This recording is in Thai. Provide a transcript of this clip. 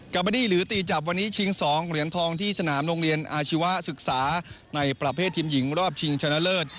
เบอร์ดี้หรือตีจับวันนี้ชิง๒เหรียญทองที่สนามโรงเรียนอาชีวะศึกษาในประเภททีมหญิงรอบชิงชนะเลิศ